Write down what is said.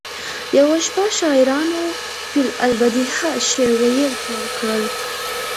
یوه شپه شاعرانو فی البدیهه شعر ویل پیل کړل